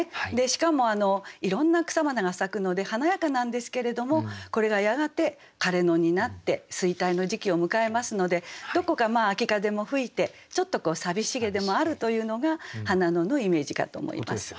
しかもいろんな草花が咲くので華やかなんですけれどもこれがやがて枯れ野になって衰退の時期を迎えますのでどこか秋風も吹いてちょっと寂しげでもあるというのが「花野」のイメージかと思います。